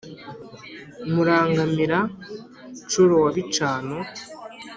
murangamira-ncuro wa bicano